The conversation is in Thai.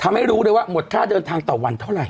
ทำให้รู้ด้วยว่าหมดค่าเดินทางต่อวันเท่าไร